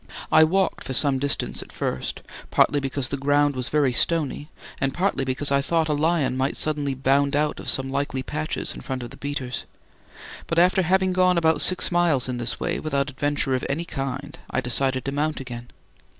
I walked for some distance at first, partly because the ground was very stony and partly because I thought a lion might suddenly bound out of some likely patches in front of the beaters; but after having gone about six miles in this way without adventure of any kind, I decided to mount again.